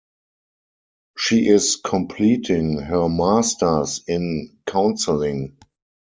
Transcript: She is completing her Masters in Counseling.